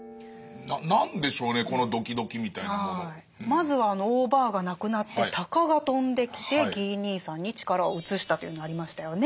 まずはオーバーが亡くなって鷹が飛んできてギー兄さんに力を移したというのありましたよね。